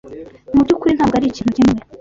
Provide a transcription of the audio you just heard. Mu byukuri ntabwo arikintu kimwe.